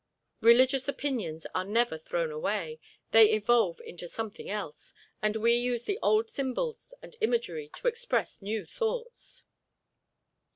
Religious opinions are never thrown away: they evolve into something else, and we use the old symbols and imagery to express new thoughts.